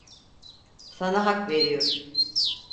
Sana hak veriyorum.